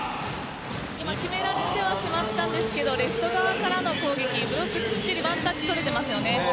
今決められてはしまったんですがレフト側からの攻撃ブロック、きっちりワンタッチ取れていますよね。